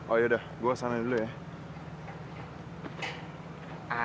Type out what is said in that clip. oh ya udah gue sana dulu ya